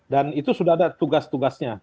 dan itu sudah ada tugas tugasnya